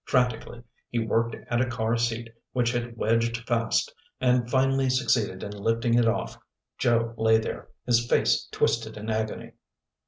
Frantically, he worked at a car seat which had wedged fast, and finally succeeded in lifting it off. Joe lay there, his face twisted in agony.